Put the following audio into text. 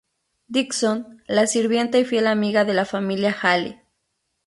Dixon, la sirvienta y fiel amiga de la familia Hale.